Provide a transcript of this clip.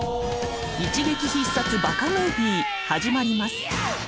『一撃必撮ＢＡＫＡムービー』始まります